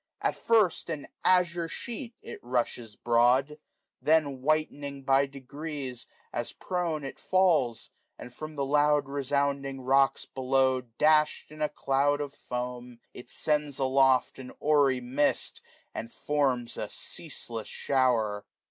At first, an azure sheet, it rushes broad ; Then whitening by degrees, as prone it falls, 595 And from the loud resounding rocks below Dash'd in ^ cloud of foam, it sends aloft A hoary mist, and forms a ceaseless shower.